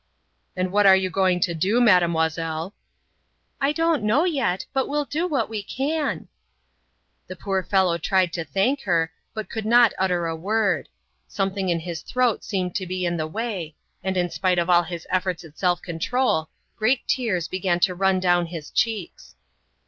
"And what are you going to do, Mademoiselle?" "I don't know yet, but we'll do what we can!" The poor fellow tried to thank her, but could not utter a word. Something in his throat seemed to be in the way, and in spite of all his efforts at self control, great tears began to run down his cheeks.